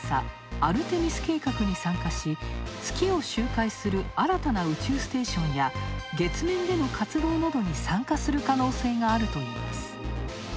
アルテミス計画に参加し、月を周回する新たな宇宙ステーションや月面での活動などに参加する可能性があるといいます。